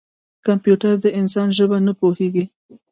کمپیوټر د انسان ژبه نه پوهېږي.